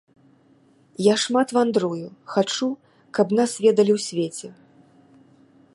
Я шмат вандрую, хачу, каб нас ведалі ў свеце.